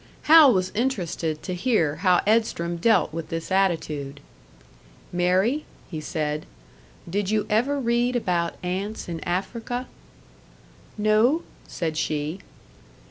Hal was interested to hear how Edstrom dealt with this attitude. "Mary," he said, "did you ever read about ants in Africa?" "No," said she.